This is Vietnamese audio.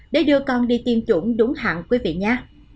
để đưa con đi tiêm chủng đúng hạn quý vị nhé